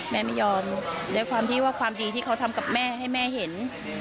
แม่ไม่ยอมด้วยความดีที่เขาทำกับแม่ให้แม่เห็น